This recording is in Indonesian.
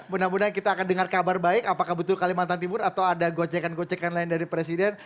mudah mudahan kita akan dengar kabar baik apakah betul kalimantan timur atau ada gocekan gocekan lain dari presiden